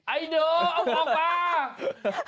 ไอเดอร์เอาออกมา